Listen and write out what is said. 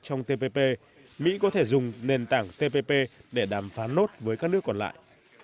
trong tpp mỹ có thể dùng nền tảng tpp để đàm phán nốt với các nước còn lại